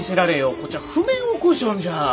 こっちゃあ譜面起こしよんじゃ。